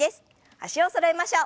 脚をそろえましょう。